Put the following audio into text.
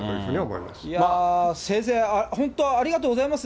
いやぁ、先生、本当ありがとうございます。